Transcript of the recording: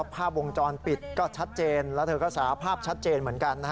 ภาพวงจรปิดก็ชัดเจนแล้วเธอก็สาภาพชัดเจนเหมือนกัน